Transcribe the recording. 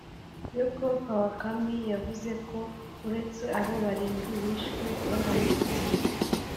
Yoko Kawakami yavuze ko uretse abo barindwi bishwe bamanitswe